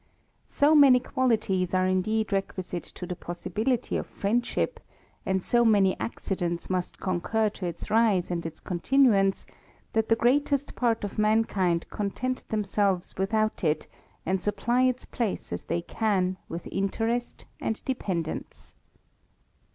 So many qualities are indeed requisite to the possibility of friendship, and so many accidents must concur to its rise and its continuance, that the greatest part of mankind content themselves without it, and supply its place as they can, with interest and dependence.